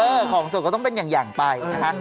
ของสดก็ต้องเป็นอย่างไปนะคะ